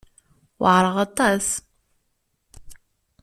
Weɛṛeɣ aṭas.